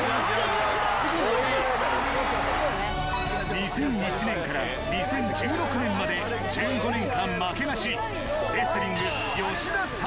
２００１年から２０１６年まで１５年間負けなしレスリング